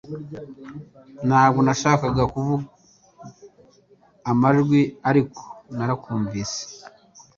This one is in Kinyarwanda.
Ntabwo nashakaga kuvuga amajwi ariko narakumvise